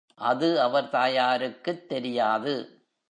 அது அவர் தாயாருக்குத் தெரியாது.